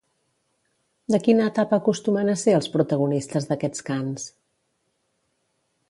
De quina etapa acostumen a ser els protagonistes d'aquests cants?